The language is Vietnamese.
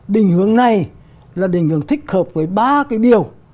đình hướng này là định hướng thích hợp với ba cái điều